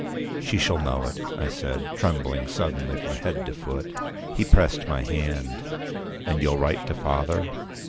"She shall know it," I said, trembling suddenly from head to foot. He pressed my hand. "And you'll write to father?"